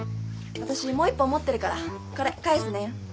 私もう１本持ってるからこれ返すね。